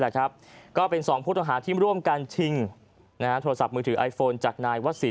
นะครับก็เป็นสองคนที่ร่วมกันชิงชื่อโทรศัพท์มือถือไอฟโฟน